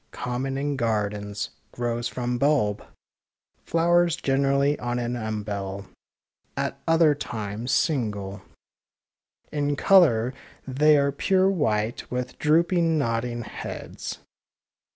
Common in gardens — grows from bulb. Flowers generally on an umbel — at other times single — in colour they are pure white, with drooping nodding heads.